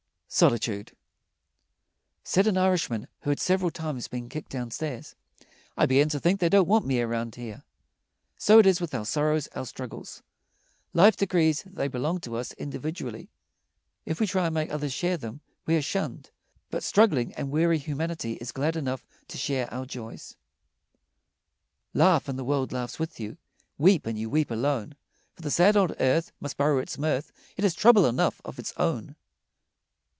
SOLITUDE Said an Irishman who had several times been kicked downstairs: "I begin to think they don't want me around here." So it is with our sorrows, our struggles. Life decrees that they belong to us individually. If we try to make others share them, we are shunned. But struggling and weary humanity is glad enough to share our joys. Laugh, and the world laughs with you; Weep, and you weep alone; For the sad old earth Must borrow its mirth, It has trouble enough of its own.